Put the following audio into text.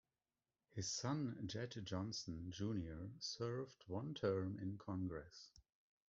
His son Jed Johnson, Junior served one term in Congress.